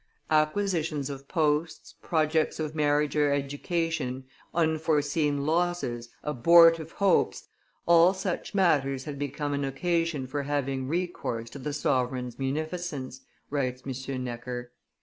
"Acquisitions of posts, projects of marriage or education, unforeseen losses, abortive hopes, all such matters had become an occasion for having recourse to the sovereign's munificence," writes M. Necker.